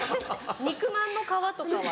肉まんの皮とかは？